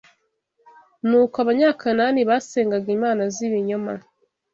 Ni uko Abanyakanaani basengaga imana z’ibinyoma